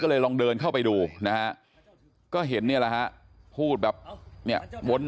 ก็เลยลองเดินเข้าไปดูนะฮะก็เห็นเนี่ยแหละฮะพูดแบบเนี่ยวน